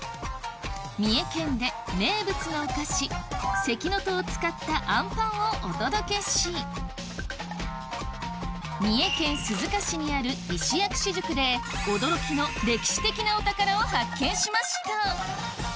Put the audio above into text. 三重県で名物のお菓子関の戸を使ったあんパンをお届けし三重県鈴鹿市にある石薬師宿で驚きの歴史的なお宝を発見しました